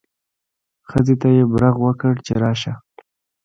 ښځې ته یې برغ وکړ چې راشه.